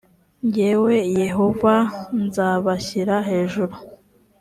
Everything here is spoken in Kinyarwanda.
jyewe yehova nzabashyira hejuru